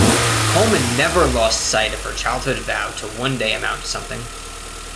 Coleman never lost sight of her childhood vow to one day amount to something.